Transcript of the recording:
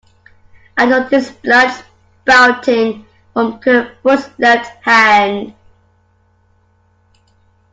I noticed blood spouting from Kerfoot's left hand.